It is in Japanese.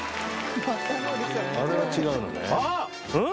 あれは違うのねうん？